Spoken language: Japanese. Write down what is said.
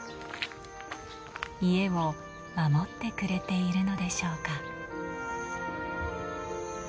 家を守ってくれているのでしょうか。